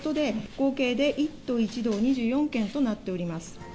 合計で１都１道２４県となっております。